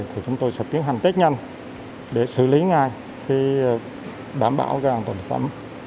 thì chúng tôi sẽ tiến hành tết nhanh để xử lý ngay khi bảm bảo an toàn thực phẩm